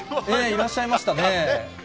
いらっしゃいましたね。